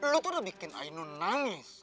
lu tuh udah bikin ayah nun nangis